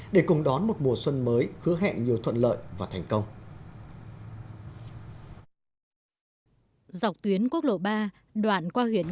để cùng đón một mùa xuân mới hứa hẹn nhiều thuận lợi và thành công